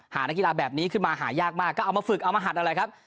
นักกีฬาแบบนี้ขึ้นมาหายากมากก็เอามาฝึกเอามาหัดนั่นแหละครับ